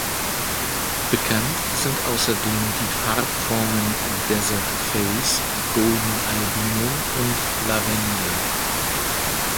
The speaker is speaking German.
Bekannt sind außerdem die Farbformen Desert Phase, Golden Albino und Lavender.